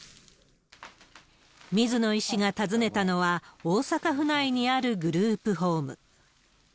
水野医師が訪ねたのは、大阪府内にあるグループホーム。